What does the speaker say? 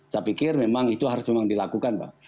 saya pikir memang itu harus memang dilakukan pak